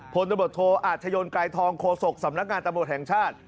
พลตำรวจโทอาชญนไกรทองโฆษกสำนักงานตำรวจแห่งชาติ